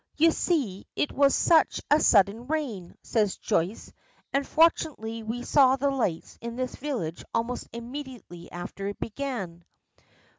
"You see, it was such a sudden rain," says Joyce, "and fortunately we saw the lights in this village almost immediately after it began."